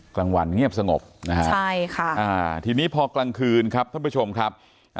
กลางวันเงียบสงบทีนี้พอกลางคืนครับท่านผู้ชมครับ